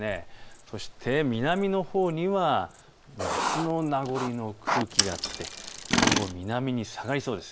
そして南のほうには夏の名残の空気があって今後、南に下がりそうです。